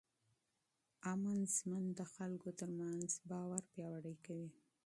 امن ژوند د خلکو ترمنځ اعتماد پیاوړی کوي.